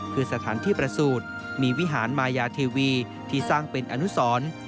คือสถานที่ประสูจน์มีวิหารมายาเทวีที่สร้างเป็นอนุสร